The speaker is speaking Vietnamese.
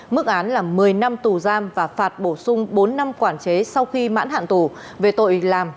mức án là một mươi năm tù giam và phạt bổ sung bốn năm quản chế sau khi mãn hạn tù về tội làm